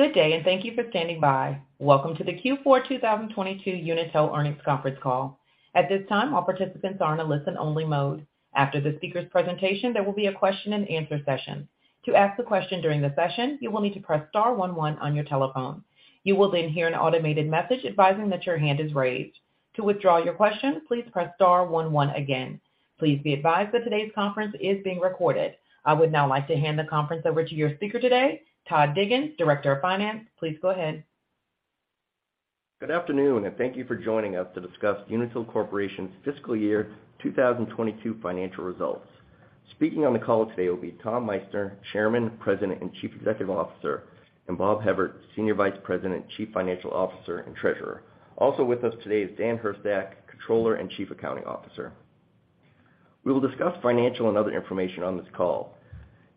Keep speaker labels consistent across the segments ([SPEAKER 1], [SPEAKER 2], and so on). [SPEAKER 1] Good day, thank you for standing by. Welcome to the Q4 2022 Unitil Earnings Conference Call. At this time, all participants are in a listen-only mode. After the speaker's presentation, there will be a question-and-answer session. To ask a question during the session, you will need to press star one one on your telephone. You will hear an automated message advising that your hand is raised. To withdraw your question, please press star one one again. Please be advised that today's conference is being recorded. I would now like to hand the conference over to your speaker today, Todd Diggins, Director of Finance. Please go ahead.
[SPEAKER 2] Good afternoon, and thank you for joining us to discuss Unitil Corporation's fiscal year 2022 financial results. Speaking on the call today will be Tom Meissner, Chairman, President, and Chief Executive Officer, and Bob Hevert, Senior Vice President, Chief Financial Officer, and Treasurer. Also with us today is Dan Hurstak, Controller and Chief Accounting Officer. We will discuss financial and other information on this call.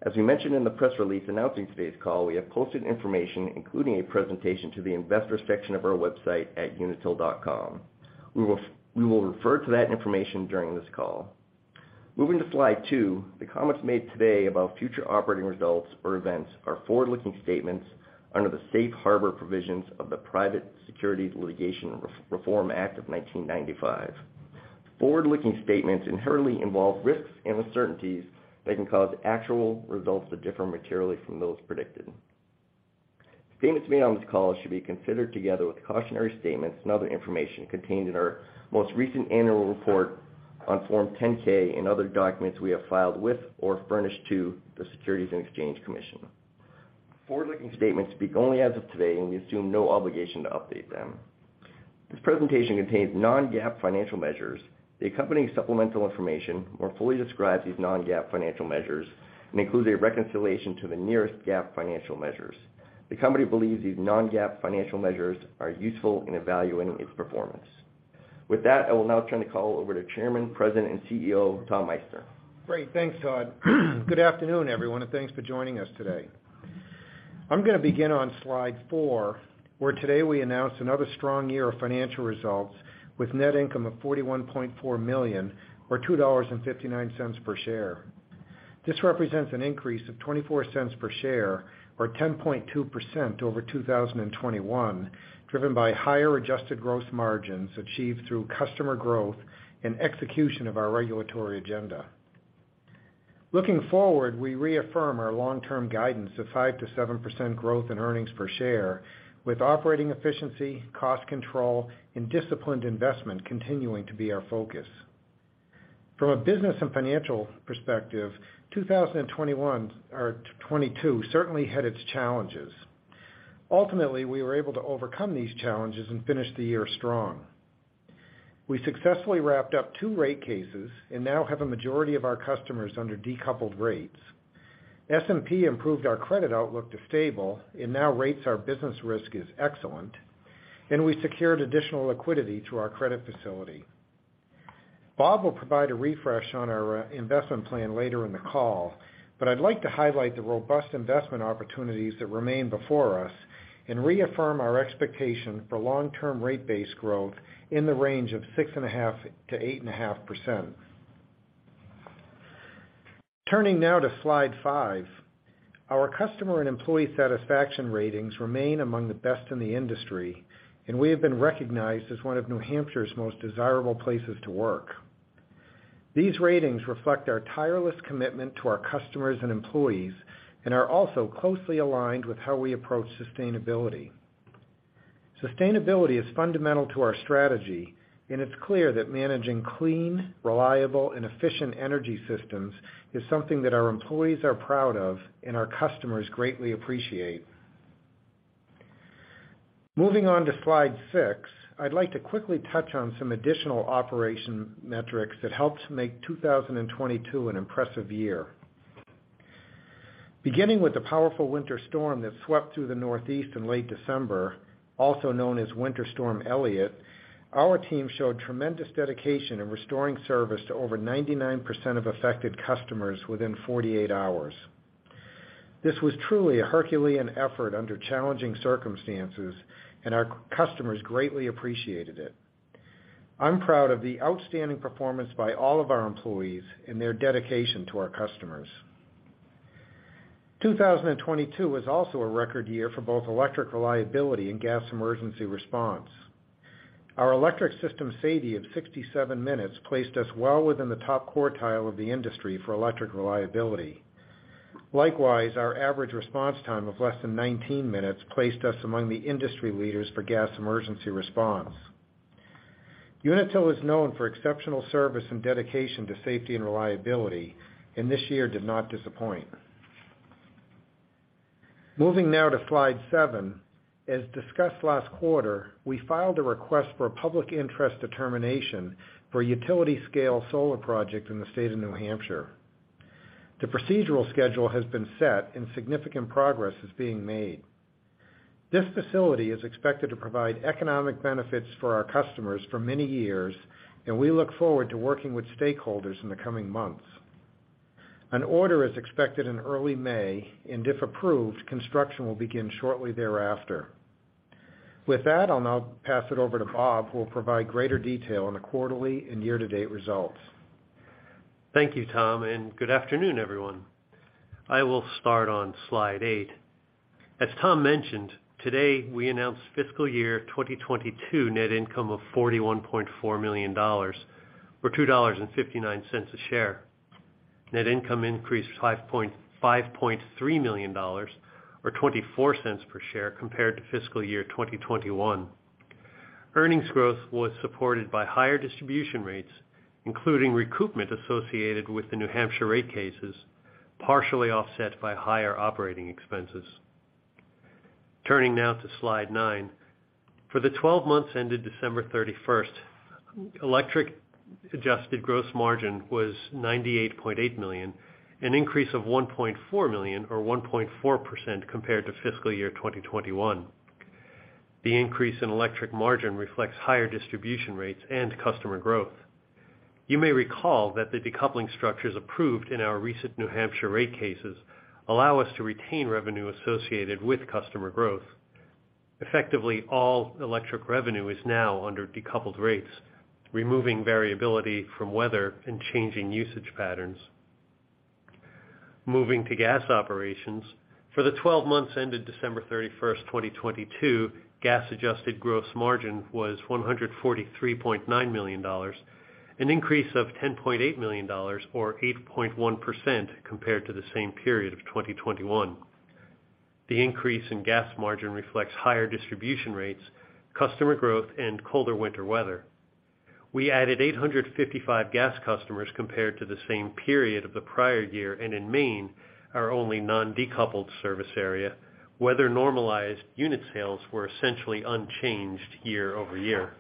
[SPEAKER 2] As we mentioned in the press release announcing today's call, we have posted information, including a presentation, to the investor section of our website at unitil.com. We will refer to that information during this call. Moving to slide two. The comments made today about future operating results or events are forward-looking statements under the safe harbor provisions of the Private Securities Litigation Reform Act of 1995. Forward-looking statements inherently involve risks and uncertainties that can cause actual results to differ materially from those predicted. Statements made on this call should be considered together with cautionary statements and other information contained in our most recent annual report on Form 10-K and other documents we have filed with or furnished to the Securities and Exchange Commission. Forward-looking statements speak only as of today, and we assume no obligation to update them. This presentation contains Non-GAAP financial measures. The accompanying supplemental information more fully describes these Non-GAAP financial measures and includes a reconciliation to the nearest GAAP financial measures. The company believes these Non-GAAP financial measures are useful in evaluating its performance. With that, I will now turn the call over to Chairman, President, and CEO, Tom Meissner. Great. Thanks, Todd. Good afternoon, everyone, and thanks for joining us today. I'm gonna begin on slide four, where today we announce another strong year of financial results with net income of $41.4 million or $2.59 per share. This represents an increase of $0.24 per share or 10.2% over 2021, driven by higher adjusted gross margins achieved through customer growth and execution of our regulatory agenda.
[SPEAKER 3] Looking forward, we reaffirm our long-term guidance of 5%-7% growth in earnings per share, with operating efficiency, cost control, and disciplined investment continuing to be our focus. From a business and financial perspective, 2022 certainly had its challenges. Ultimately, we were able to overcome these challenges and finish the year strong. We successfully wrapped up two rate cases and now have a majority of our customers under decoupled rates. S&P improved our credit outlook to stable and now rates our business risk as excellent. We secured additional liquidity through our credit facility. Bob Hevert will provide a refresh on our investment plan later in the call, but I'd like to highlight the robust investment opportunities that remain before us and reaffirm our expectation for long-term rate base growth in the range of 6.5%-8.5%. Turning now to slide five. Our customer and employee satisfaction ratings remain among the best in the industry. We have been recognized as one of New Hampshire's most desirable places to work. These ratings reflect our tireless commitment to our customers and employees and are also closely aligned with how we approach sustainability. Sustainability is fundamental to our strategy. It's clear that managing clean, reliable, and efficient energy systems is something that our employees are proud of and our customers greatly appreciate. Moving on to slide six. I'd like to quickly touch on some additional operation metrics that helped make 2022 an impressive year. Beginning with the powerful winter storm that swept through the northeast in late December, also known as Winter Storm Elliott, our team showed tremendous dedication in restoring service to over 99% of affected customers within 48 hours. This was truly a Herculean effort under challenging circumstances. Our customers greatly appreciated it. I'm proud of the outstanding performance by all of our employees and their dedication to our customers. 2022 was also a record year for both electric reliability and gas emergency response. Our electric system SAIDI of 67 minutes placed us well within the top quartile of the industry for electric reliability. Likewise, our average response time of less than 19 minutes placed us among the industry leaders for gas emergency response. Unitil is known for exceptional service and dedication to safety and reliability, and this year did not disappoint. Moving now to slide seven. As discussed last quarter, we filed a request for a public interest determination for a utility-scale solar project in the state of New Hampshire. The procedural schedule has been set and significant progress is being made. This facility is expected to provide economic benefits for our customers for many years, and we look forward to working with stakeholders in the coming months. An order is expected in early May, and if approved, construction will begin shortly thereafter. With that, I'll now pass it over to Bob, who will provide greater detail on the quarterly and year-to-date results.
[SPEAKER 4] Thank you, Tom. Good afternoon, everyone. I will start on slide eight. As Tom mentioned, today, we announced fiscal year 2022 net income of $41.4 million, or $2.59 a share. Net income increased $5.3 million, or $0.24 per share compared to fiscal year 2021. Earnings growth was supported by higher distribution rates, including recoupment associated with the New Hampshire rate cases, partially offset by higher operating expenses. Turning now to slide nine. For the 12 months ended December 31st, electric adjusted gross margin was $98.8 million, an increase of $1.4 million or 1.4% compared to fiscal year 2021. The increase in electric margin reflects higher distribution rates and customer growth. You may recall that the decoupling structures approved in our recent New Hampshire rate cases allow us to retain revenue associated with customer growth. Effectively, all electric revenue is now under decoupled rates, removing variability from weather and changing usage patterns. Moving to gas operations. For the 12 months ended December 31st, 2022, gas adjusted gross margin was $143.9 million, an increase of $10.8 million or 8.1% compared to the same period of 2021. The increase in gas margin reflects higher distribution rates, customer growth, and colder winter weather. We added 855 gas customers compared to the same period of the prior year, and in Maine, our only non-decoupled service area. Weather-normalized unit sales were essentially unchanged year-over-year.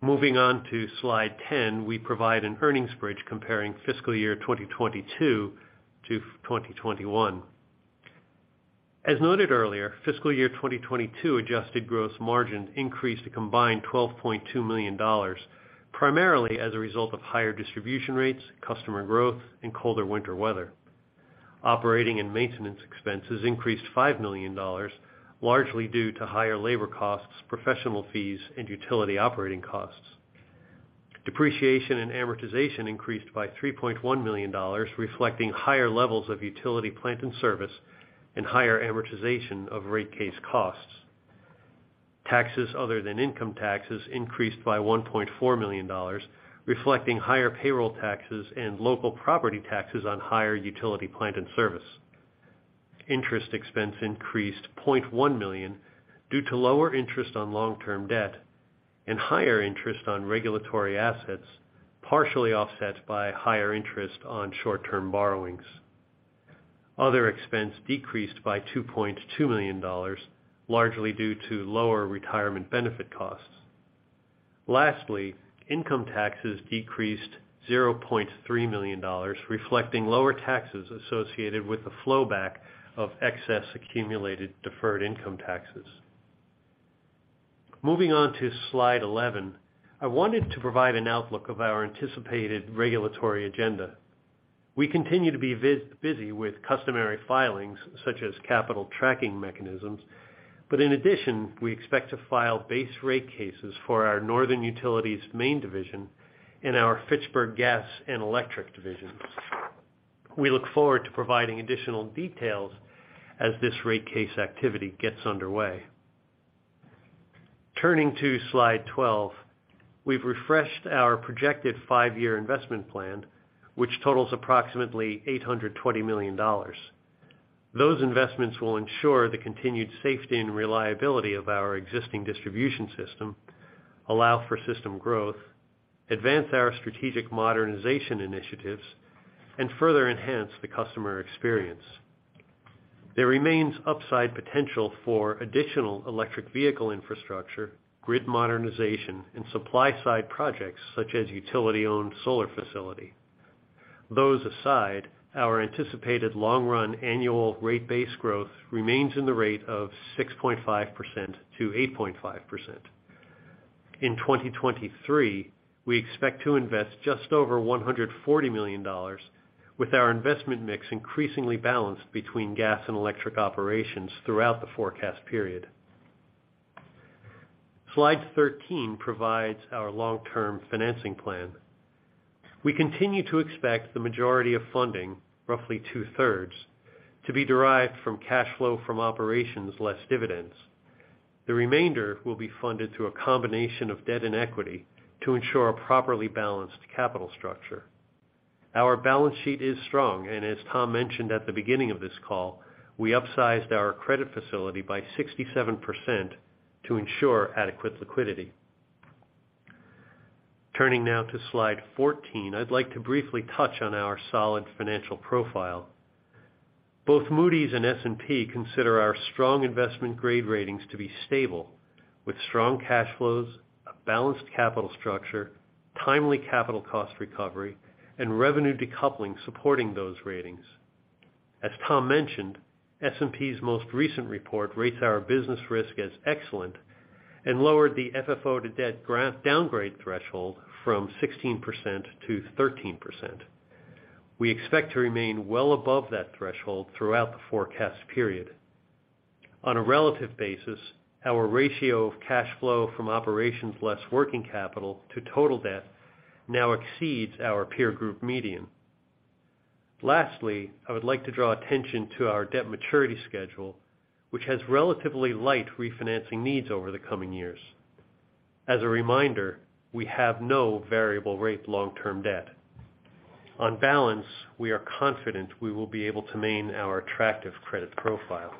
[SPEAKER 4] Moving on to slide 10, we provide an earnings bridge comparing fiscal year 2022 to 2021. As noted earlier, fiscal year 2022 adjusted gross margin increased a combined $12.2 million, primarily as a result of higher distribution rates, customer growth, and colder winter weather. Operating and maintenance expenses increased $5 million, largely due to higher labor costs, professional fees, and utility operating costs. Depreciation and amortization increased by $3.1 million, reflecting higher levels of utility plant and service and higher amortization of rate case costs. Taxes other than income taxes increased by $1.4 million, reflecting higher payroll taxes and local property taxes on higher utility plant and service. Interest expense increased $0.1 million due to lower interest on long-term debt and higher interest on regulatory assets, partially offset by higher interest on short-term borrowings. Other expense decreased by $2.2 million, largely due to lower retirement benefit costs. Income taxes decreased $0.3 million, reflecting lower taxes associated with the flowback of excess accumulated deferred income taxes. Moving on to slide 11. I wanted to provide an outlook of our anticipated regulatory agenda. We continue to be busy with customary filings such as capital tracking mechanisms. In addition, we expect to file base rate cases for our Northern Utilities Maine division and our Fitchburg Gas and Electric divisions. We look forward to providing additional details as this rate case activity gets underway. Turning to slide 12. We've refreshed our projected five-year investment plan, which totals approximately $820 million. Those investments will ensure the continued safety and reliability of our existing distribution system, allow for system growth, advance our strategic modernization initiatives, and further enhance the customer experience. There remains upside potential for additional electric vehicle infrastructure, grid modernization, and supply-side projects such as utility-owned solar facility. Those aside, our anticipated long-run annual rate base growth remains in the rate of 6.5%-8.5%. In 2023, we expect to invest just over $140 million with our investment mix increasingly balanced between gas and electric operations throughout the forecast period. Slide 13 provides our long-term financing plan. We continue to expect the majority of funding, roughly two-thirds, to be derived from cash flow from operations less dividends. The remainder will be funded through a combination of debt and equity to ensure a properly balanced capital structure. Our balance sheet is strong, and as Tom mentioned at the beginning of this call, we upsized our credit facility by 67% to ensure adequate liquidity. Turning now to slide 14, I'd like to briefly touch on our solid financial profile. Both Moody's and S&P consider our strong investment grade ratings to be stable with strong cash flows, a balanced capital structure, timely capital cost recovery, and revenue decoupling supporting those ratings. As Tom mentioned, S&P's most recent report rates our business risk as excellent and lowered the FFO to debt downgrade threshold from 16%-13%. We expect to remain well above that threshold throughout the forecast period. On a relative basis, our ratio of cash flow from operations less working capital to total debt now exceeds our peer group median. Lastly, I would like to draw attention to our debt maturity schedule, which has relatively light refinancing needs over the coming years. As a reminder, we have no variable rate long-term debt. On balance, we are confident we will be able to maintain our attractive credit profile.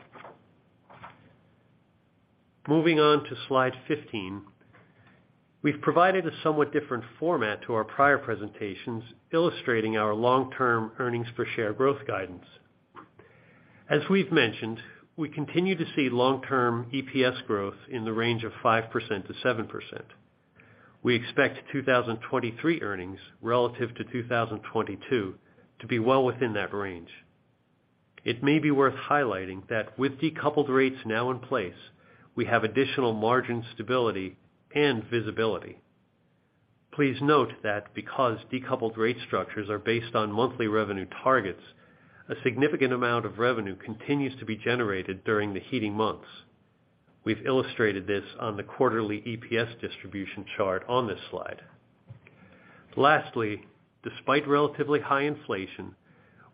[SPEAKER 4] Moving on to slide 15, we've provided a somewhat different format to our prior presentations, illustrating our long-term earnings per share growth guidance. As we've mentioned, we continue to see long-term EPS growth in the range of 5%-7%. We expect 2023 earnings relative to 2022 to be well within that range. It may be worth highlighting that with decoupled rates now in place, we have additional margin stability and visibility. Please note that because decoupled rate structures are based on monthly revenue targets, a significant amount of revenue continues to be generated during the heating months. We've illustrated this on the quarterly EPS distribution chart on this slide. Lastly, despite relatively high inflation,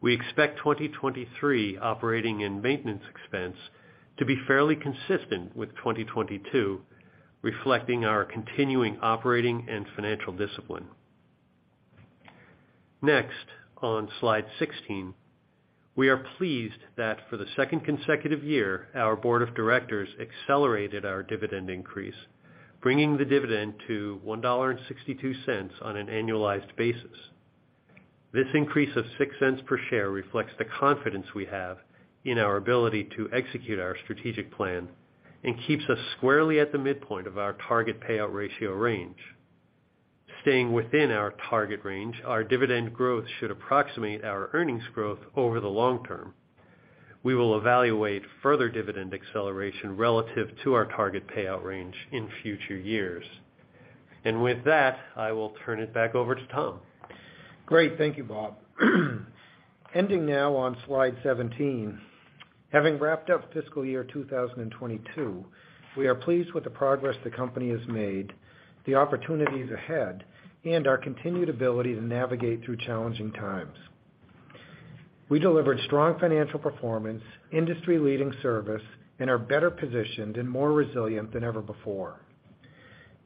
[SPEAKER 4] we expect 2023 operating and maintenance expense to be fairly consistent with 2022, reflecting our continuing operating and financial discipline. Next, on slide 16. We are pleased that for the second consecutive year, our board of directors accelerated our dividend increase, bringing the dividend to $1.62 on an annualized basis. This increase of $0.06 per share reflects the confidence we have in our ability to execute our strategic plan and keeps us squarely at the midpoint of our target payout ratio range. Staying within our target range, our dividend growth should approximate our earnings growth over the long term. We will evaluate further dividend acceleration relative to our target payout range in future years. With that, I will turn it back over to Tom.
[SPEAKER 3] Great. Thank you, Bob. Ending now on slide 17. Having wrapped up fiscal year 2022, we are pleased with the progress the company has made, the opportunities ahead, and our continued ability to navigate through challenging times. We delivered strong financial performance, industry-leading service, and are better positioned and more resilient than ever before.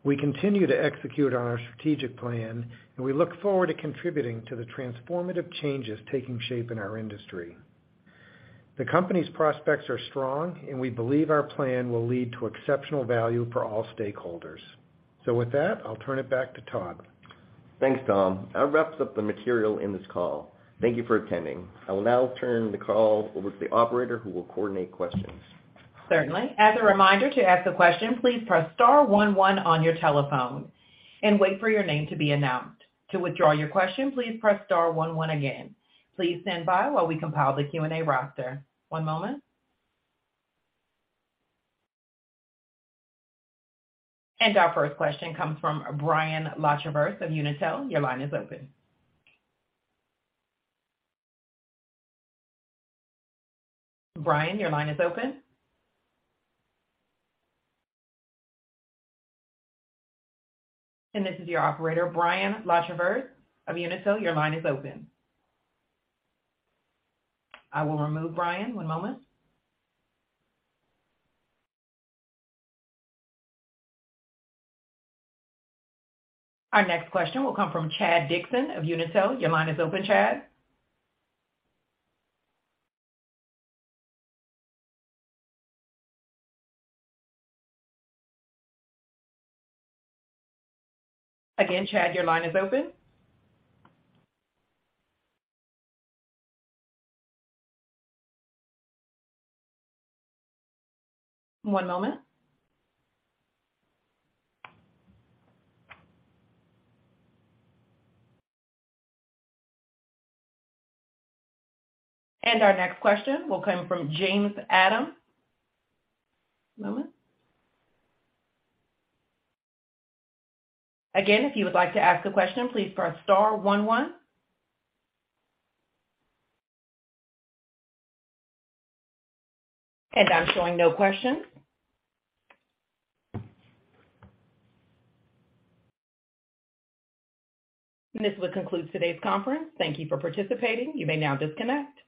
[SPEAKER 3] We continue to execute on our strategic plan, and we look forward to contributing to the transformative changes taking shape in our industry. The company's prospects are strong, and we believe our plan will lead to exceptional value for all stakeholders. With that, I'll turn it back to Todd.
[SPEAKER 2] Thanks, Tom. That wraps up the material in this call. Thank you for attending. I will now turn the call over to the operator who will coordinate questions.
[SPEAKER 1] Certainly. As a reminder, to ask a question, please press star one one on your telephone and wait for your name to be announced. To withdraw your question, please press star one one again. Please stand by while we compile the Q&A roster. One moment. Our first question comes from Brian Lachervert of Unitil. Your line is open. Brian, your line is open. This is your operator, Brian Lachervert of Unitil, your line is open. I will remove Brian. One moment. Our next question will come from Chad Dixon of Unitil. Your line is open, Chad. Again, Chad, your line is open. One moment. Our next question will come from James Adam. One moment. Again, if you would like to ask a question, please press star one one. I'm showing no questions. This will conclude today's conference. Thank you for participating. You may now disconnect.